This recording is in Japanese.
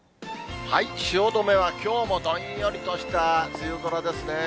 汐留は、きょうもどんよりとした梅雨空ですね。